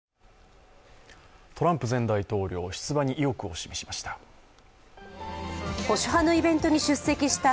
トランプ前大統領、出馬に意欲を示しました。